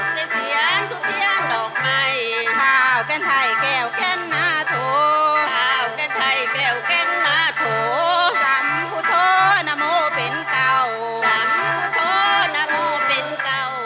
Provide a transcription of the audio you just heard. ชาวกันไท่แก่วกันหน้าโตสำมุทธนมพินเก่า